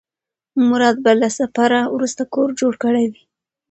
مراد به له سفر وروسته کور جوړ کړی وي.